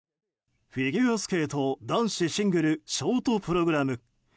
フィギュアスケート男子シングルショートプログラム。